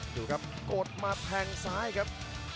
ดูครับกดมาแทงซ้ายครับ